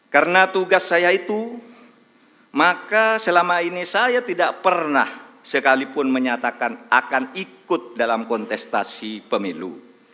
karena tugas saya itu maka selama ini saya tidak pernah sekalipun menyatakan akan ikut dalam kontestasi pemilu